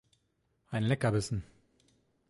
Ein Leckerbissen!